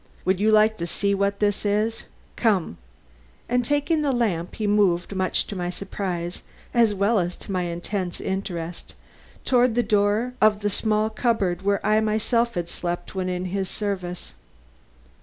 "Would you like to see what that is? Come!" and taking up the lamp, he moved, much to my surprise as well as to my intense interest, toward the door of the small cupboard where I had myself slept when in his service.